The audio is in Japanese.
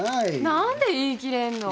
何で言い切れるの？